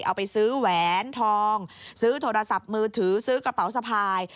เอาไปซื้อแหวนทองซื้อโทรศัพท์มือถือซื้อกระเป๋าสะพาย